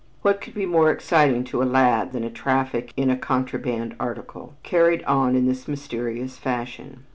What could be more exciting to a lad than a traffic in a contraband article, carried on in this mysterious fashion?